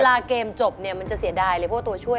เวลาเกมจบเนี่ยมันจะเสียดายเลยพวกตัวช่วย